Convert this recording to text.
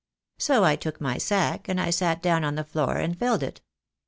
So I took my sack, and I sat down on the floor and filled it.